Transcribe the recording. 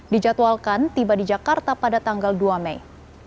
dijadwalkan tiba di jakarta pada tanggal dua mei